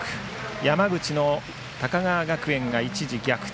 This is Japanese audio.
山口の高川学園が一時逆転。